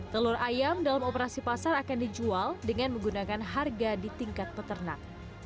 telur ayam dalam operasi pasar akan dijual dengan menggunakan harga di tingkat peternak